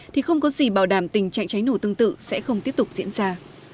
thì không có gì bảo đảm tình trạng cháy nổ tương tự sẽ không tiếp tục diễn ra